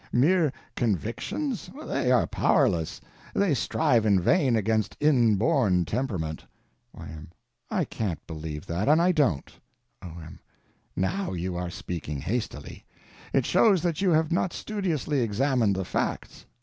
Mere convictions? They are powerless. They strive in vain against inborn temperament. Y.M. I can't believe that, and I don't. O.M. Now you are speaking hastily. It shows that you have not studiously examined the facts.